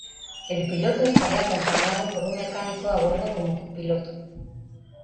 El piloto estaría acompañado por un mecánico a bordo como co-piloto.